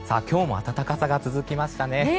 今日も暖かさが続きましたね。